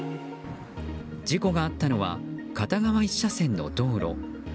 事故があったのは片側１車線の道路。